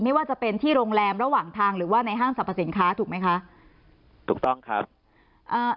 ไม่ว่าจะเป็นที่โรงแรมระหว่างทางหรือว่าในห้างสรรพสินค้าถูกไหมคะถูกต้องครับอ่า